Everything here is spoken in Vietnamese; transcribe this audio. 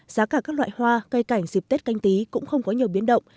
giá cả các loại hoa cây cảnh dịp tết canh tí cũng không có nhiều biến động